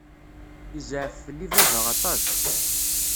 Yezɛef fell-i baba aṭas.